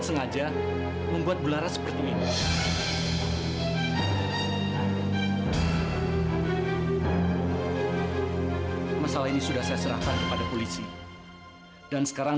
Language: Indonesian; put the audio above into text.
sengaja membuat belara seperti ini masalah ini sudah saya serahkan kepada polisi dan sekarang